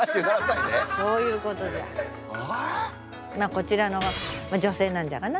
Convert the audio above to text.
こちらの女性なんじゃがな。